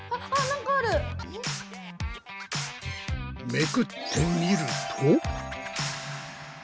めくってみると。